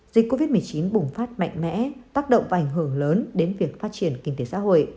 dịch covid một mươi chín bùng phát mạnh mẽ tác động và ảnh hưởng lớn đến việc phát triển kinh tế xã hội